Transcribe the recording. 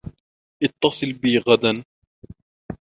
اتصل بي غداً.